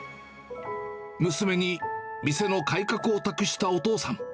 娘に店の改革を託したお父さん。